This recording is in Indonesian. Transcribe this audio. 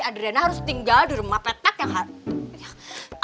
adriana harus tinggal di rumah petak yang harus